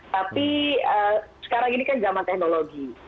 tapi sekarang ini kan zaman teknologi